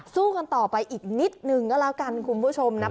สู้กันต่อไปอีกนิดนึงก็แล้วกันคุณผู้ชมนะ